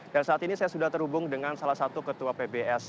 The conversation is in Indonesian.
dan saat ini saya sudah terhubung dengan salah satu ketua pbs